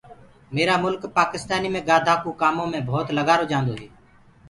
همرآ مُلڪ پاڪِستآنيٚ مي گآڌآ ڪو ڪآمو مي ڀوتَ لگآرو جآنٚدو هي